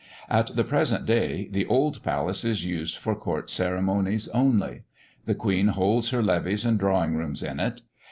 At the present day, the old palace is used for court ceremonies only; the Queen holds her levees and drawing rooms in it.